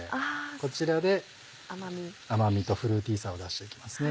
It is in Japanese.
こちらで甘みとフルーティーさを出して行きますね。